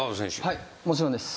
はいもちろんです。